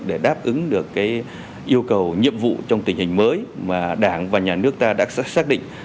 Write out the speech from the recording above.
để đáp ứng được yêu cầu nhiệm vụ trong tình hình mới mà đảng và nhà nước ta đã xác định